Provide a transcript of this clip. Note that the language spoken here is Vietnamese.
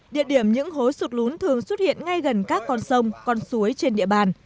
địa điểm những hố sụt lún thường xuất hiện ngay gần các con sông con suối trên địa bàn